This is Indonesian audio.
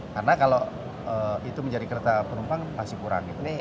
karena kalau itu menjadi kereta penumpang masih kurang